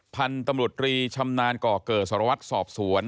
พันธุ์ตำรวจรีชำนาญก่อเกิดสารวัตรสอบสวน